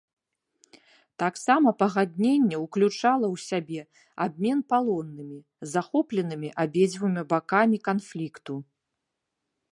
Таксама пагадненне ўключала ў сябе абмен палоннымі, захопленымі абедзвюма бакамі канфлікту.